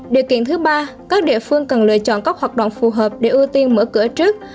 điều kiện thứ ba các địa phương cần lựa chọn các hoạt động phù hợp để ưu tiên mở cửa trước